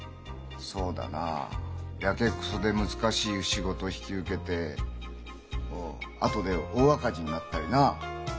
そうだなヤケクソで難しい仕事引き受けてあとで大赤字になったりな。